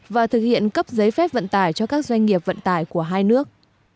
và thực hiện cấp giấy phép vận tài cho các doanh nghiệp vận tài của hai nước